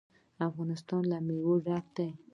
افغانستان له مېوې ډک دی.